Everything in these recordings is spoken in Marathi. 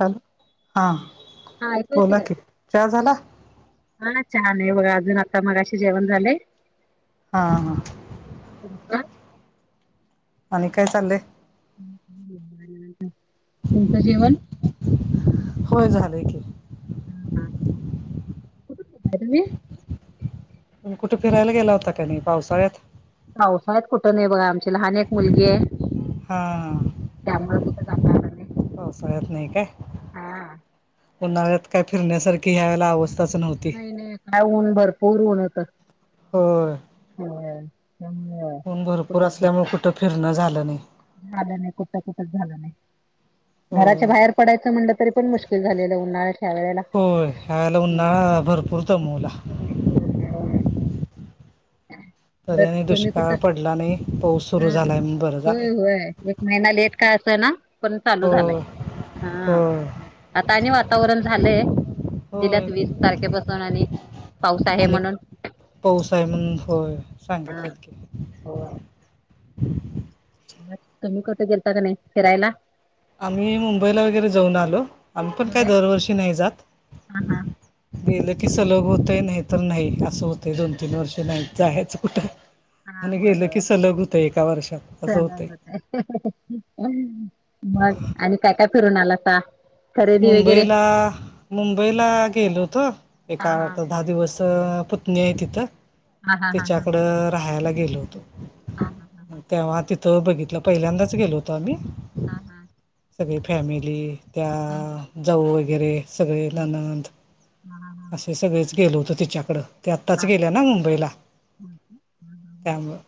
हॅलो! हा हा ऐकू येते बोला काय? की चहा झाला.? हा छान आहे. बघा अजून आता मगाशी जेवण झालय? हा हा.... हो का? आणि काय चाललंय.? हम्म हम्म तुमचं जेवण.? होय, झालंय की हा. हा. कुठून बोलताय तुम्ही तुम्ही कुठे फिरायला गेला होता की नाही? पावसाळ्यात पावसाळ्यात कुठं नाही बघा आम्ही लहान एक मुलगी आहे, हा त्यामुळे कुठे जाता आलं नाही. पावसाळ्यात नाही काय, हा. उन्हाळ्यात काय फिरण्यासारखी यावेळेला आवस् नाही नाही, हाय ऊन भरपूर ऊन होत. होय होय, त्यामुळं ऊन भरपूर कुठं गे असल्यामुळे कुठं फिरणं झाल नाही. झालं नाही, कुठं-कुठच झालं नाही, हो घराच्या बाहेर पडायचं म्हटलं तरी पण मुश्किल झालेलं, उन्हाळ्यात, या वेळेला होय, ह्यावेळेला उन्हाळा भरपूर दमवला. हो का? तरी आणि दुष्काळ पडला नाही, पाऊस सुरू हा झालाय म्हणून बरं झालय. होय होय, एक महिना का लेट असेना, पण चालू झालाय. होय हा होय आता आणि वातावरण झालंय होय दिल्यात वीस तारखे पासून आणि, पाऊस आहे आणि म्हणून. पाऊस आहे म्हणून होय, हा सागिंतलात की होय तुम्ही कुठे गेलता का नाही फिरायला? आम्ही मुंबईला वगैरे जाऊन आलो, आम्ही पण काय होय दरवर्षी नाही जात. हा हा गेलं की सलग होतयं, नाही तर नाही, असं होतंय दोन-तीन वर्ष नाही जा जायाचं कुठं हा आणि होय गेलं की होय सलग होतय, एका वर्षात, असं होतंय. सहलावत मग आणि काय काय फिरून आलासा? खरेदी वगैरे मुंबईला, मुंबईला गेलो होतो, हा एका हा दहा दिवस पुतणी आहे तिथं, हा हा हा तीच्याकडं राहायला गेलो होतो. हा हा हा हा तेव्हा तिथं बघितलं, पहिल्यांदाच गेलो होतो आम्ही. हा. हा. सगळी फॅमिली, त्या हा हा हा जाऊ वगैरे सगळे हा हा ननंद, हा असे सगळेच गेलो होतो तिच्याकडं ते आत्ताच हा हा गेल्या ना मुंबईला, हा त्यामुळं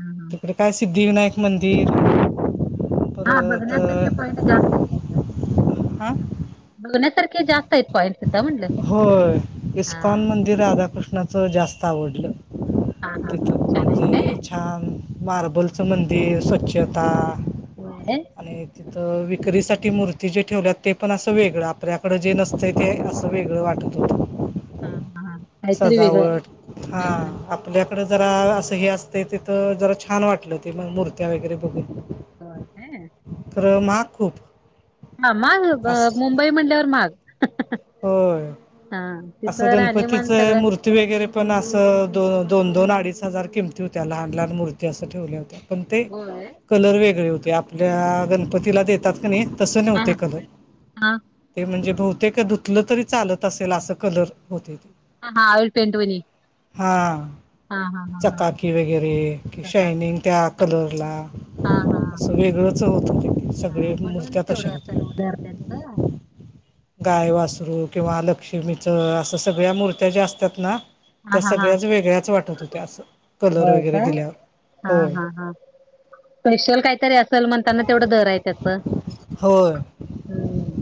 हा हा. तिकडे काय, सिद्धिविनायक मंदिर हा परत बघण्यासारखे पॉईंट जास्त आहेत. हा बघण्यासारखे जास्त हायीत पाॉइंटतीत म्हणल, होय हा. इस्कॉन मंदिर राधाकृष्णाचं जास्त आवडलं. हा. हा. हा. छानयेत नई मारबुलचं मंदिर, स्वच्छता होय काय आणि तिथं विक्रीसाठी, मूर्ती जे ठेवल्यात ते पण असं वेगळं, आपल्याकडं जे नसतं ते, असं वेगळं वाटतय हा हा हा काहीतरी वेगळं सजावट, हा. आपल्याकडं जरा, असं हे असतय, तिथं जरा छान वाटलं. ते मग मूर्त्या वगैरे बघून हो [unintelligible] खर महाग खूप हा महाग, असं मुंबई म्हणल्यावर महाग होय, हा असं तिथं राहणीमान गणपतीच मूर्ती सगळं मूर्ती वगैरे पण असं, दोन दोन-दोन, अडीच हजार किमती होत्या, लहान लहान मूर्ती असं ठेवल्या होत्या. पण ते, होय. कलर वेगळे होते, आपल्या गणपतीला देतात नाही तस हा हा नव्हते कलर, हा ते म्हणजे बहुतेक कुठलं तरी चालत असेल असं कलर होते ते. हा हा विळ पेंट वणी. हा हा हा हा हा चकाकी वगैरे प्रकाश शयनिंग त्या. कलोरला. हा हा. वेगळंच होत होते सगळे म्हणून मूर्त्या तशा तेवढं असेल होत्या. हो. [unintelligible] हा. गायवासरू किंवा लक्ष्मीचं असं सगळ्या मूर्त्या ज्या असतात ना. हा त्या हा हा सगळ्याच वेगळ्याच वाटत होत्या असं कलर वगैरे दिल्यावर हो. ह हा. [inaudible] स्पेशल काहीतरी असेल म्हणताना तेवढं दर आहे त्याच होय [inaudible] ह्.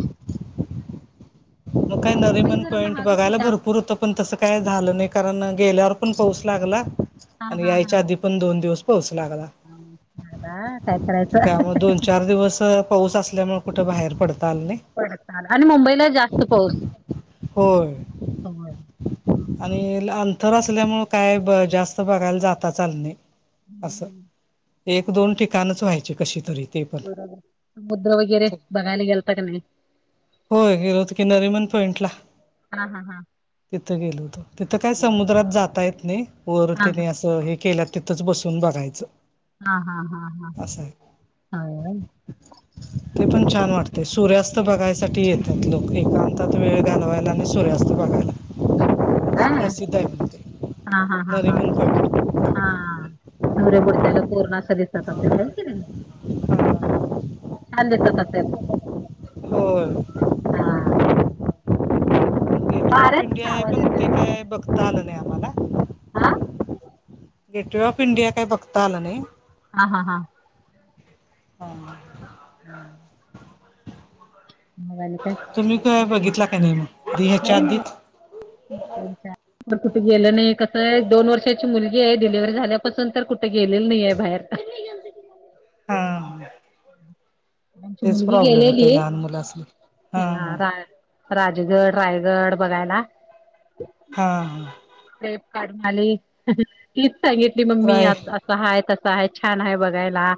मग काय मुंबई नरमन जरा पॉईंट महागच बघायला बर जास्त पुरं त. पण तस काय झालं नाही कारण गेल्यावर पण पाऊस लागला हा आणि हा हा याच्या आधी. हा. पण दोन दिवस पोहच लागला झाला काय करायचं त्यामुळे दोन-चार दिवस. पाऊस असल्यामुळे कुठं बाहेर पडता आल नाही. त चाल आणि मुंबईला जास्त पाऊस होय [inaudible] हो. आणि अंतर असल्यामुळे काय जास्त बघायला जाताच‌ आला नाही. असं, हम्म, एक-दोन ठिकाणच व्हायचे कशी तरी. ते पण समुद्र वगैरे बघायला गेलता का नाही. होय गेलो होत की नरिमन पॉइंट ला. हा हा हा. तिथं गेलो होत तिथं काय समुद्रात जातायेत नाही हा वरतीने असं हे केलं. तिथंच बसून बघायचं. हा हा हा हा असं आहे हा पण हम्. छान ते वाटते सूर्यास्त बघायसाठी येतात लोक एकांतात वेळ हो घालवायला आणि सूर्यास्त बघायला. होय काय प्रसिद्ध आहे म्हणते हा हा हा हा नरिमन पॉइंट. हा [unintelligible] छान दिसत असेल. होय. [unintelligible] हा. वार्याच का आवाज येतय. भगतालनला. आ. गेटवे ऑफ इंडिया काही बघता आला नाही. हा हा हां. ह [unintelligible] हम. आणि बाकी काय? तुम्ही काय बघितला काय नाही मग दी ह चार दित. अच्छ अच्छा. पण कुठे गेलं नाही कसं आहे दोन वर्षाची मुलगी आहे डिलिव्हरी झाल्यापासून तर कुठे गेलेली नाही आहे बाहेर. फ [unintelligible] हा आमची तेच प्रॉब्लेम होतय लहान मुलासनि. ह राजूगड, रायगड बघायला. हां हां. स्लेप काढ माली हीच सांगितली मम्मी राय आत आत. अस आहे तसं आहे छान आहे बघायला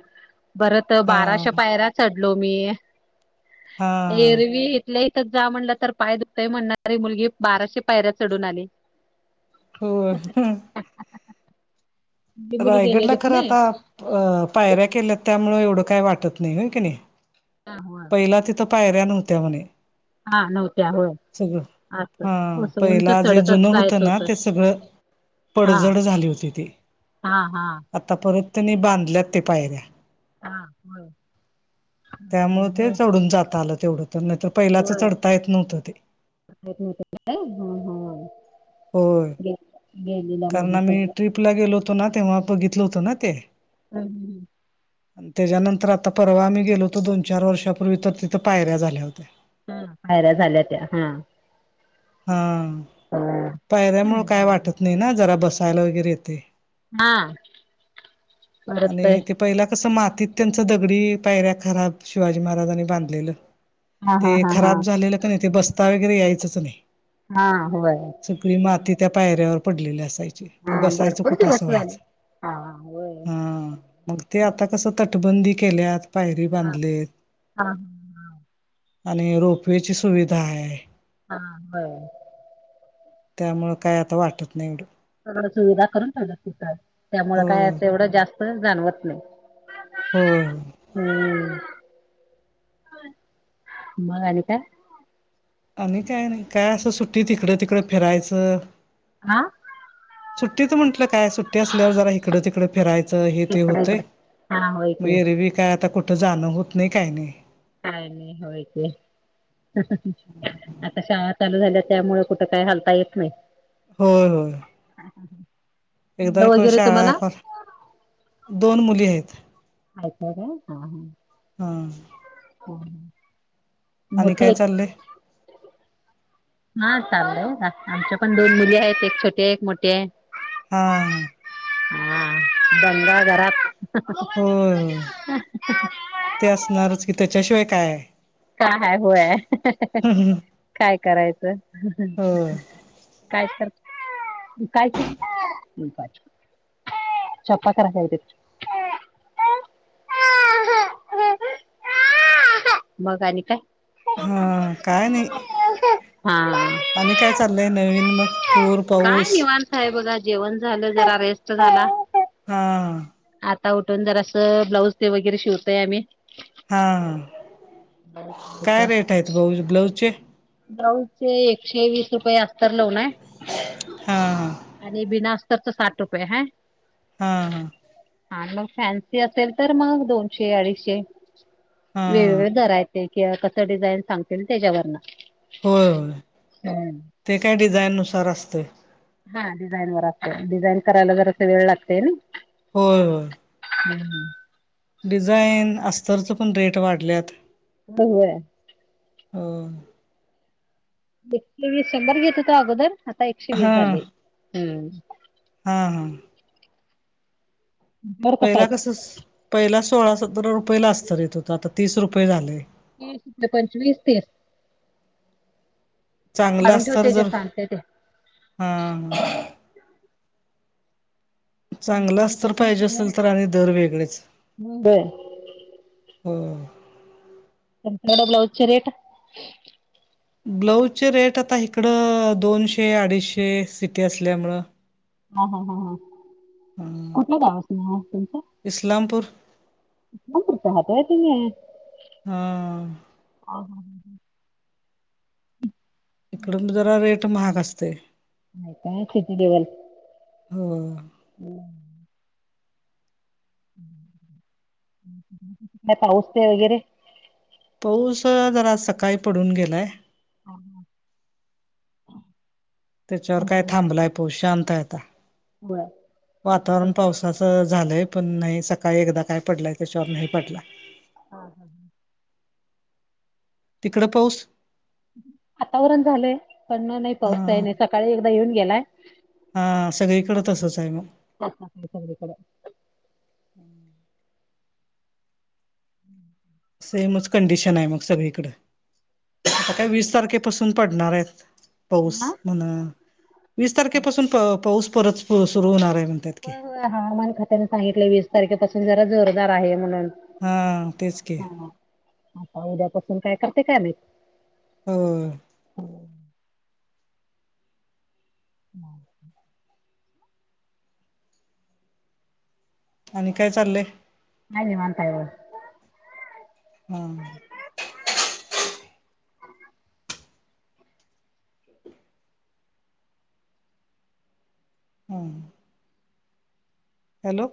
बरत हा बाराशा पायऱ्या चढलो मी. हा एरवी इथल्या इथच जा म्हणलं तर पाय दुखतंय म्हणणारी मुलगी बाराशे पायऱ्या चढून आली. हो. [unintelligible] ती मुली रायगडला गेलेलीच खरं नाही आता अ पायऱ्या केल्यात त्यामुळ एवढं काय वाटत नाही होय कनी? हा व पहिला तिथं पायऱ्या नव्हत्या म्हणे. हा नव्हत्या होय. सगळं हा असं असं उंच पहिला जे चढतच जुनं होतं जायचं ना ते सगळं हा पडझड झाली होती ती. हा हा आता परत त्यांनी बांधल्यात ते पायऱ्या हा होय त्यामूळ ते होय चढून जात आलं तेवढं तर नाहीतर पहिल्याच चढता येत नव्हतं ते. [unintelligible] नव्हतं काय ह ह गेलेल्या मुली मी सगळ्या ट्रिपला गेलो होतो ना तेव्हा बघितल होतो ना ते. हं, हुं, हुं. आणि त्याच्यानंतर आता परवा आम्ही गेलो होतो दोन चार वर्षापूर्वी तर तिथं पायऱ्या झाल्या होत्या. हम्म पायऱ्या झाल्या त्या हा. हा हा छान पायऱ्यामुळ आहे काय बघायला वाटत नाही ना जरा बसायला वगैरे येते. हा आणि परत ते पहिला कसं मातीत त्यांच दगडी पायऱ्या खराब शिवाजी महाराजांनी बांधलेलं. हा ते हा हा हा खराब झालेलं कनी ते बसता वगैरे यायचंच नाही. हा व्हय. सगळी माती त्या पायऱ्यावर पडलेली असाय ची हा मग बसायचं भरपूर कुठं? अस दिवस झाले व्हायचं, हा होय हा मग ते आता कस तटबंदी केल्यात, पायरी हा बांधले, हा आणि रोपवे ची सुविधा हाय. हा व्हय. त्यामुळं काय आता वाटत नाही एवढं. सर्व सुविधा करून ठेवल्यात तिथं त्यामुळं हो काय असं एवढं जास्त जाणवत नाही. होय. हम्म मग आणि काय? आणि काय नाही, काय असं सुट्टीत इकडं तिकडं फिरायचं आ सुट्टीत म्हटलं काय सुट्टी असल्यावर जरा हिकडं तिकडं फिरायचं हे ते इकडे होतंय, इकडे हा होय म की एरवी काय आता कुठं जाणं होत नाही काय नाही. काय नाही होय की. आता शाळा चालू झाल्या त्यामुळे कुठ काय हालता येत नाही. होय होय. हा हा हा एकदा एकवेळ शाळा कॉल दोन मुली हायत. हाइता काय हा हा. हां. हू, हू. आणि काय चालंय? हा चालय बघा, आमच्या पण दोन मुली आहेत एक छोटी आहे एक मोठी हाय. हा, हा. हा दंगा घरात होय होय ते असणारच की त्याच्याशिवाय काय? काय हाय होय काय करायचं. होय काय करता चप्पा करा राहुदेत. मग आणि काय? हा काय नाही हा आणि काय चालय नवीन मग? पूर काय पाऊस निवांत आहे बघा, जेवण झालं जरा, रेस्ट झाला, हा. आता उठून जरासं ब्लाऊज ते वगैरे शिवतोय आम्ही. हा ब्लाऊज काय रेट आहेत बाऊ ब्लाऊजचे. ब्लाऊज चे एकशे वीस रुपये अस्तर लावून आहे हा हा आणि बिना अस स्तरच साठ रुपये हाय. हा हा. हा मग फॅन्सी असेल तर मग दोनशे अडीचशे. हा वेगवेगळ दर आहेत ते कि कसं डिझाईन सांगतील त्याच्यावरनं. होय होय. हम्म. ते काय डिझाईननुसार असतंय. हा डिझाईन वर असते डिझाईन करायला जरासं वेळ लागतंय नाय. होय होय. हम हम. डिझाईन अस्तरचं पण रेट वाढल्यात. हो होय. ह. एकशे वीस शंभर घेत होतो अगोदर आता एकशे वीस हा झाले हम्. हा हा. दर कसा पहिला आहेत कसं पहिला सोळा सतरा रुपयेला अस्तर येत हुतं आता तीस रुपये झालंय. तीस कुठलं पंचवीस तीस. चांगलं काढून अस्तर ठेवते जे जर सांगते ते. हा. चांगला तुमच्याकडे अस्तर तर कसं आहे पाहिजे सगळं असेल तर आणि दर वेगळेच होय हो. आपल्या इकडे ब्लाज चे रेट. ब्लाऊजचे रेट आता इकडं दोनशे अडीचशे सिटी असल्यामुंळ. हा हा ह ह अ कुठला गवस नाव तुमचं. इस्लामपूर नपृरीत राहताय तुम्ही. हा. आ हो. इकड जरा रेट महाग असतेय. मा काय सिटी लेवल. हो काय काय पाऊस ते वगैरे. पाऊस जरा आज सकाळी पडून गेलाय. हा हा. त्याच्यावर काय थांबलाय पाऊस शांत आता होय वातावरण त्यांचं पाऊस. सं झालंय पण नाही सकाळी एकदा काय पडलंय त्याच्यावर नाही पडला. हा हा. तिकडं पाऊस. वातावरण झालंय पण नाही पाऊस काही हा नाही सकाळी एकदा येऊन गेलाय. हा सगळीकडे त असच आहे मग. आछ [unintelligible] सगळीकडे हम्म [inaudible] सेमच कंडिशन आहे मग सगळीकड आता काय वीस तारखेपासून पडणार आहेत. पाऊस हा म्हण वीस काय तारखेपासून प पाऊस परत प सुरू होणार आहे म्हणत्यात. हवामान खात्याने सांगितलं वीस तारखेपासून जरा जोरदार आहे म्हणून. हा तेच क. आता उद्यापासून काय करते काय माहित. होय. हा. आणि काय चाललंय. हाय निवांत हाय बघा. हा. [unintelligible] हम्म. हॅलो.